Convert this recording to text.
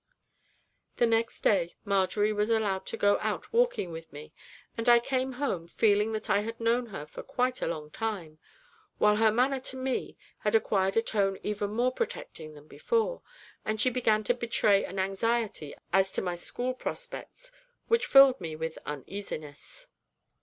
The next day Marjory was allowed to go out walking with me, and I came home feeling that I had known her for quite a long time, while her manner to me had acquired a tone even more protecting than before, and she began to betray an anxiety as to my school prospects which filled me with uneasiness.